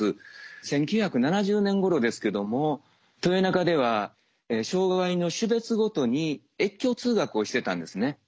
１９７０年ごろですけども豊中では障害の種別ごとに越境通学をしてたんですね。